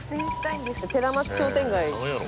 寺町商店街。